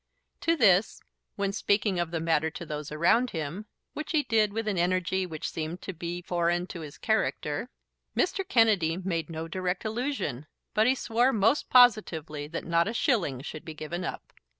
To this, when speaking of the matter to those around him, which he did with an energy which seemed to be foreign to his character, Mr. Kennedy made no direct allusion; but he swore most positively that not a shilling should be given up.